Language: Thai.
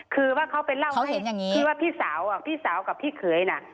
คือว่าเขาเป็นเล่าให้เขาเห็นอย่างนี้คือว่าพี่สาวอ่ะพี่สาวกับพี่เขยน่ะ